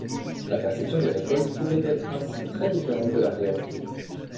La perception des récoltes pouvait être ainsi très différente de la réalité.